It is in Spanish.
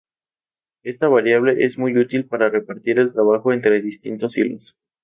Esta variable es muy útil para repartir el trabajo entre distintos hilos.